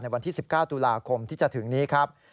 วันที่๑๙ตุลาคมที่จะถึงนี้ครับ